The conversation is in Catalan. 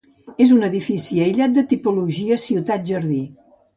És un edifici aïllat de tipologia ciutat-jardí.